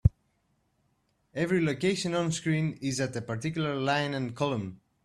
Every location onscreen is at a particular line and column.